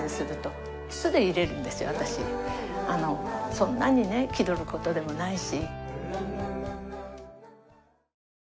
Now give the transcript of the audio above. そんなにね気取る事でもないし。